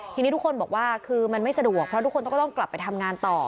ทีนี้ทุกคนบอกว่าคือมันไม่สะดวกเพราะทุกคนก็ต้องกลับไปทำงานต่อ